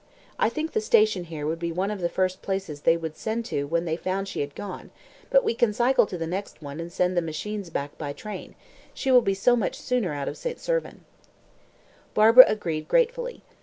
I think the station here would be one of the first places they would send to when they found she had gone; but we can cycle to the next one and send the machines back by train she will be so much sooner out of St. Servan." Barbara agreed gratefully.